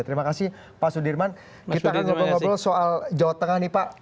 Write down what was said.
terima kasih pak sudirman kita akan ngobrol ngobrol soal jawa tengah nih pak